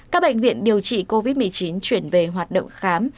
các bệnh viện điều trị covid một mươi chín chuyển về hoạt động khám